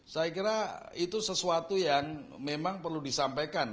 saya kira itu sesuatu yang memang perlu disampaikan